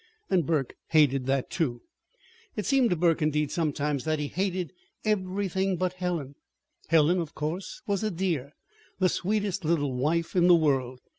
And Burke hated that, too. It seemed to Burke, indeed, sometimes, that he hated everything but Helen. Helen, of course, was a dear the sweetest little wife in the world.